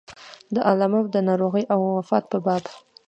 د علامه د ناروغۍ او وفات په باب.